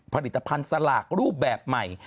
ผลิตภัณฑ์สลากรูปแบบใหม่